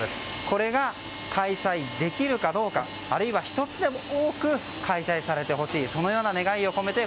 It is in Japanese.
これが開催できるかどうかあるいは１つでも多く開催されてほしいそのような願いを込めて